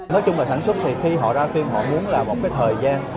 nói chung là sản xuất thì khi họ ra phim họ muốn là một cái thời gian